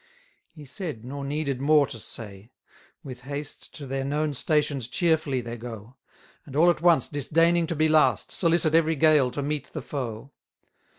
77 He said, nor needed more to say: with haste To their known stations cheerfully they go; And all at once, disdaining to be last, Solicit every gale to meet the foe.